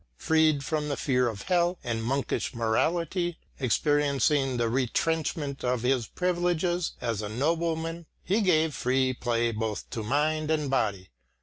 Freed from the fear of hell and monkish morality, experiencing the retrenchment of his privileges as a nobleman, he gave free play both to mind and body.